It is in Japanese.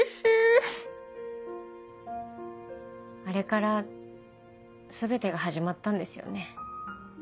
あれから全てが始まったんですよね。